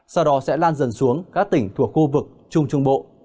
sau đó sẽ lan dần xuống các tỉnh thuộc khu vực trung trung bộ